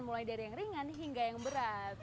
mulai dari yang ringan hingga yang berat